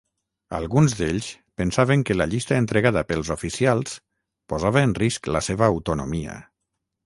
Alguns d'ells pensaven que la llista entregada pels oficials posava en risc la seva autonomia.